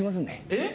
えっ？